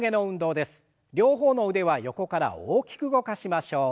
両方の腕は横から大きく動かしましょう。